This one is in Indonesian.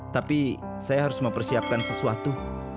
tapi saya harus mempersiapkan sesuatu